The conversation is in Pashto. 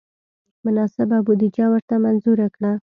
مناسبه بودجه ورته منظور کړه.